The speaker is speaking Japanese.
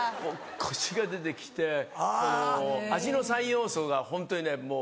コシが出て来てこの味の三要素がホントにねもう。